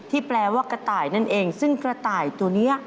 แปลว่ากระต่ายนั่นเองซึ่งกระต่ายตัวนี้